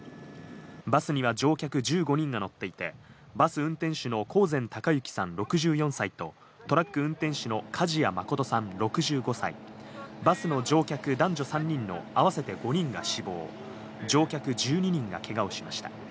バスには乗客１５人が乗っていて、バス運転手の興膳孝幸さん６４歳と、トラック運転手の梶谷誠さん６５歳、バスの乗客、男女３人の合わせて５人が死亡、乗客１２人がけがをしました。